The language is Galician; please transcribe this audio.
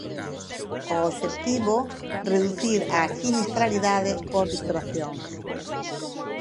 O obxectivo, reducir a sinistralidade por distraccións.